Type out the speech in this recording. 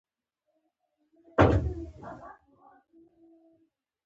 باد د ونو پاڼې ورو ورو ښوروي.